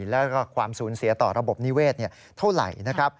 แล้วก็ความสูญเสียต่อระบบนิเวศเท่าไหร่นะครับ